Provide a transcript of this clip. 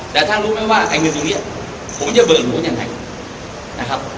แต่ท่านรู้ไหมว่าไอ้เงินตัวเนี่ยผมจะเบิกหลวนอย่างไหน